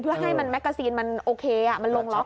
เพื่อให้มันแกซีนมันโอเคมันลงล็อก